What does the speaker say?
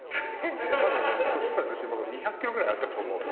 多分ねそしたら私もう２００キロぐらいあったと思うもん。